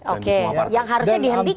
oke yang harusnya dihentikan